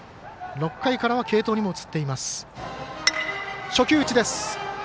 ６回からは継投にも移っています。